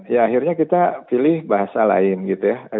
ya akhirnya kita pilih bahasa lain gitu ya